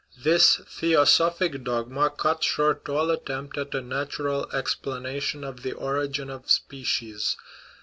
This theosophic dog ma cut short all attempt at a natural explanation of the origin of species.